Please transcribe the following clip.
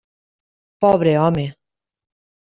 Pobre home!